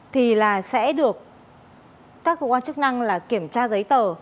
thì là sẽ được các cơ quan chức năng kiểm tra giấy tờ